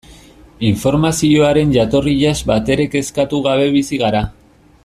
Informazioaren jatorriaz batere kezkatu gabe bizi gara.